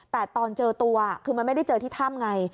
แต่ตอนเจอตัวคือมันไม่ได้เจอที่ถ้ำไง